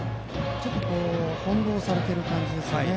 ちょっと翻弄されている感じですね。